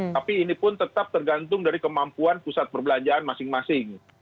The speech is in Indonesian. tapi ini pun tetap tergantung dari kemampuan pusat perbelanjaan masing masing